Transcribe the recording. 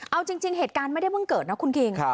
เอาจริงเหตุการณ์ไม่ได้เพิ่งเกิดนะคุณคิง